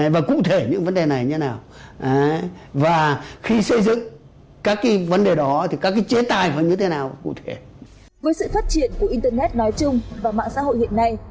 với sự phát triển của internet nói chung và mạng xã hội hiện nay